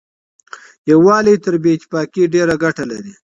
يووالی تر بې اتفاقۍ ډېره ګټه لري.